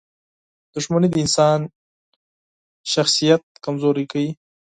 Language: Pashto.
• دښمني د انسان شخصیت کمزوری کوي.